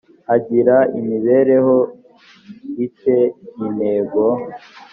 agira imibereho i te intego